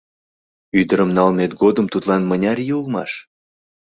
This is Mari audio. — Ӱдырым налмет годым тудлан мыняр ий улмаш?